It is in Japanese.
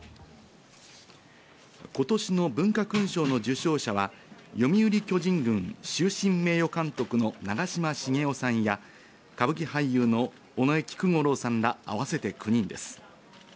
今年の文化勲章の受章者は読売巨人軍終身名誉監督の長嶋茂雄さんや歌舞伎俳優の尾上菊五郎さんら合わせて９人です。